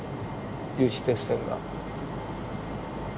有刺鉄線が上は。